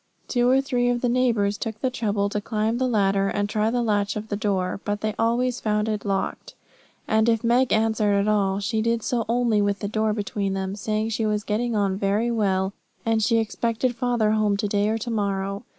Two or three of the neighbours took the trouble to climb the ladder, and try the latch of the door, but they always found it locked; and if Meg answered at all, she did so only with the door between them, saying she was getting on very well, and she expected father home to day or to morrow.